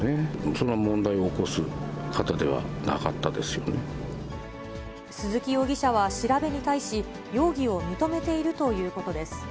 そんな問題を起こす方ではなかっ鈴木容疑者は調べに対し、容疑を認めているということです。